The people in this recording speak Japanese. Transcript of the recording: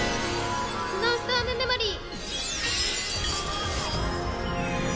スノーストームメモリー。